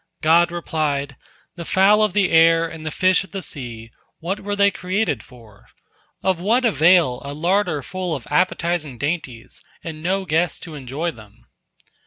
God replied: "The fowl of the air and the fish of the sea, what were they created for? Of what avail a larder full of appetizing dainties, and no guest to enjoy them?"